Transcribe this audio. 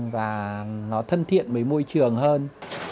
và nó thân thiện với môi trường hơn